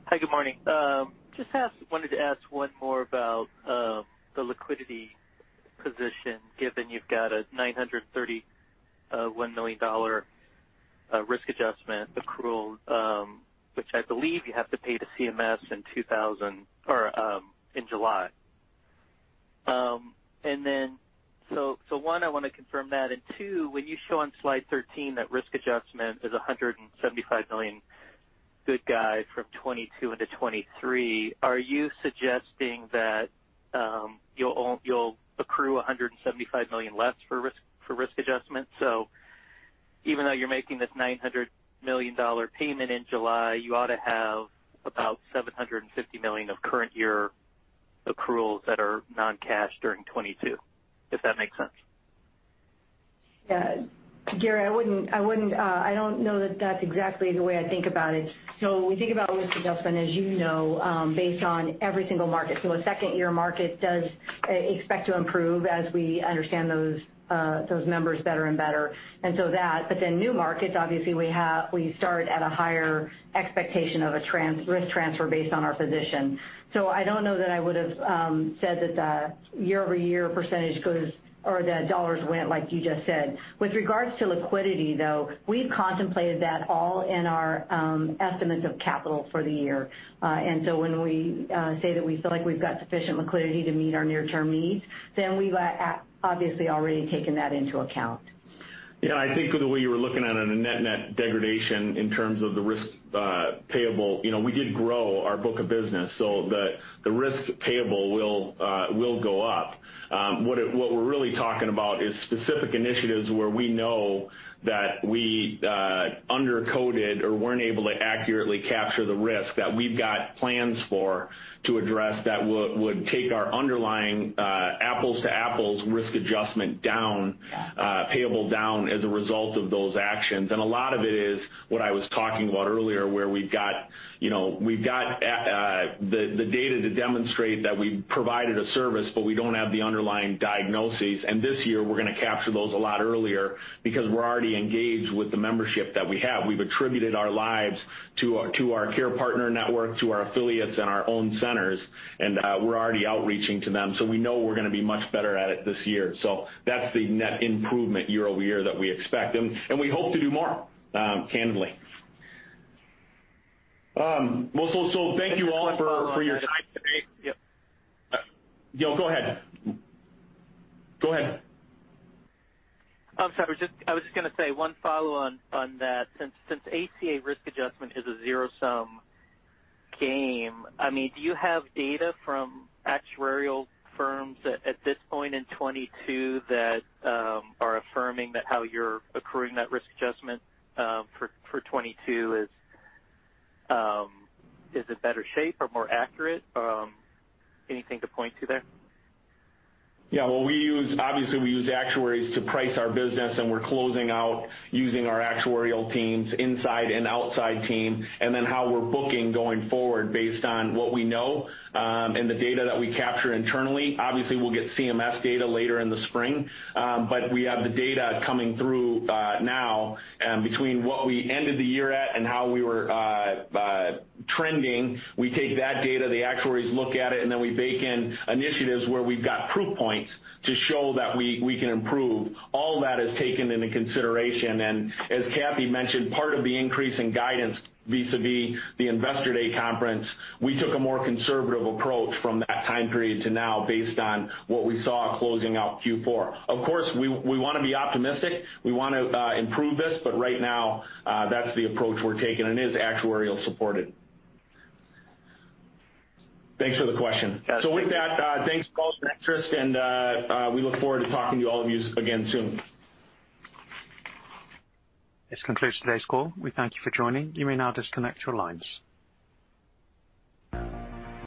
Speaker 14: Hi, good morning. Wanted to ask one more about the liquidity position, given you've got a $931 million risk adjustment accrual, which I believe you have to pay to CMS in July. One, I wanna confirm that, and two, when you show on slide 13 that risk adjustment is a $175 million guidance from 2022 into 2023, are you suggesting that you'll accrue a $175 million less for risk adjustment? Even though you're making this $900 million payment in July, you ought to have about $750 million of current year accruals that are non-cash during 2022, if that makes sense.
Speaker 4: Yeah. Gary, I don't know that that's exactly the way I think about it. We think about risk adjustment, as you know, based on every single market. A second-year market does expect to improve as we understand those members better and better, and so that. New markets, obviously, we start at a higher expectation of a risk transfer based on our position. I don't know that I would've said that the year-over-year percentage goes or the dollars went like you just said. With regards to liquidity, though, we've contemplated that all in our estimates of capital for the year. When we say that we feel like we've got sufficient liquidity to meet our near-term needs, then we've obviously already taken that into account.
Speaker 3: Yeah, I think the way you were looking at it in a net-net degradation in terms of the risk payable, you know, we did grow our book of business, so the risk payable will go up. What we're really talking about is specific initiatives where we know that we undercoded or weren't able to accurately capture the risk that we've got plans for to address that would take our underlying apples to apples risk adjustment down, payable down as a result of those actions. A lot of it is what I was talking about earlier, where we've got, you know, we've got the data to demonstrate that we provided a service, but we don't have the underlying diagnoses. This year, we're gonna capture those a lot earlier because we're already engaged with the membership that we have. We've attributed our lives to our care partner network, to our affiliates and our own centers, and we're already outreaching to them. We know we're gonna be much better at it this year. That's the net improvement year-over-year that we expect, and we hope to do more, candidly. Well, thank you all for your time today. Go ahead.
Speaker 14: I'm sorry. I was just gonna say one follow on that. Since ACA risk adjustment is a zero-sum game, I mean, do you have data from actuarial firms at this point in 2022 that are affirming that how you're accruing that risk adjustment for 2022 is in better shape or more accurate? Anything to point to there?
Speaker 3: Yeah. Well, obviously, we use actuaries to price our business, and we're closing out using our actuarial teams inside and outside team, and then how we're booking going forward based on what we know, and the data that we capture internally. Obviously, we'll get CMS data later in the spring. We have the data coming through, now. Between what we ended the year at and how we were trending, we take that data, the actuaries look at it, and then we bake in initiatives where we've got proof points to show that we can improve. All that is taken into consideration. As Cathy mentioned, part of the increase in guidance vis-à-vis the Investor Day conference, we took a more conservative approach from that time period to now based on what we saw closing out Q4. Of course, we wanna be optimistic, we wanna improve this, but right now, that's the approach we're taking and it's actuarially supported. Thanks for the question.
Speaker 14: Gotcha.
Speaker 3: With that, thanks all for interest, and we look forward to talking to all of you again soon.
Speaker 1: This concludes today's call. We thank you for joining. You may now disconnect your lines.